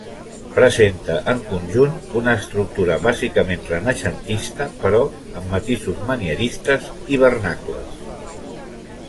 Presenta en conjunt una estructura bàsicament renaixentista, però amb matisos manieristes i vernacles.